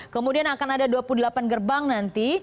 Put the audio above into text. kemudian akan ada dua puluh delapan gerbang nanti